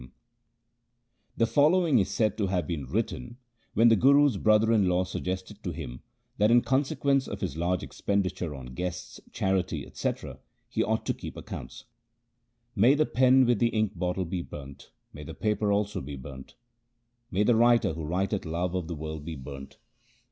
HYMNS OF GURU AMAR DAS 163 The following is said to have been written when the Guru's brother in law suggested to him that in consequence of his large expenditure on guests, charity, &c, he ought to keep accounts :— May the pen with the ink bottle be burnt, may the paper also be burnt ! May the writer who writeth love of the world be burnt